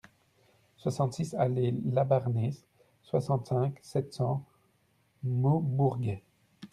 soixante-six allées Labarnés, soixante-cinq, sept cents, Maubourguet